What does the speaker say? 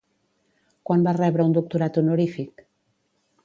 Quan va rebre un doctorat honorífic?